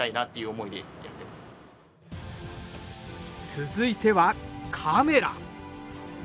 続いてはカメラ。